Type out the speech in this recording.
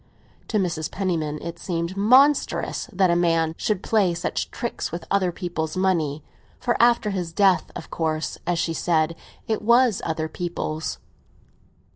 To Mrs. Penniman it seemed monstrous that a man should play such tricks with other people's money; for after his death, of course, as she said, it was other people's.